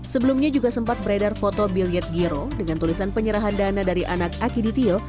sebelumnya juga sempat beredar foto billyet giro dengan tulisan penyerahan dana dari anak akiditio